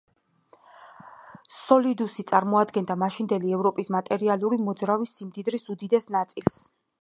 სოლიდუსი წარმოადგენდა მაშინდელი ევროპის მატერიალური, მოძრავი, სიმდიდრის უდიდეს ნაწილს.